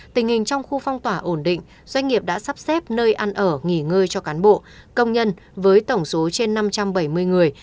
tình hình trong khu phong tỏa ổn định doanh nghiệp đã sắp xếp nơi ăn ở nghỉ ngơi cho cán bộ công nhân với tổng số trên năm trăm bảy mươi người